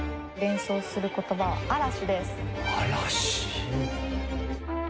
「嵐」。